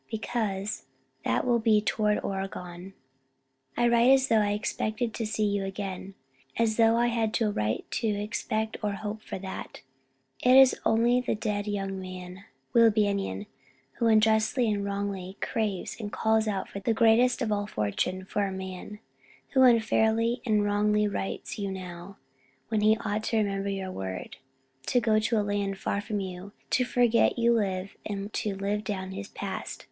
Because that will be toward Oregon! I write as though I expected to see you again, as though I had a right to expect or hope for that. It is only the dead young man, Will Banion, who unjustly and wrongly craves and calls out for the greatest of all fortune for a man who unfairly and wrongly writes you now, when he ought to remember your word, to go to a land far from you, to forget you and to live down his past.